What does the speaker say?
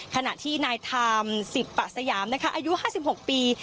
ขณะที่นายไทม์๑๐ปะสยามอายุ๕๖ปี